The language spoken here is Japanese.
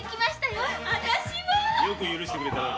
よく許してくれたな。